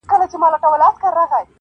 چي حالت پای ته ورسوي-